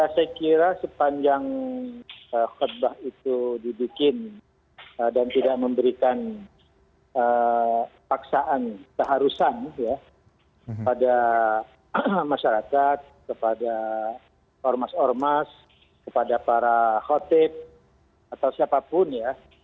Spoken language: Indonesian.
saya pikir itu adalah paksaan keharusan ya kepada masyarakat kepada ormas ormas kepada para khotib atau siapapun ya